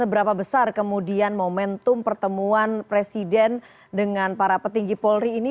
seberapa besar kemudian momentum pertemuan presiden dengan para petinggi polri ini